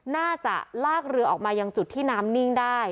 น่าจะลากเรือออกมายังจุดที่น้ำนิ่งได้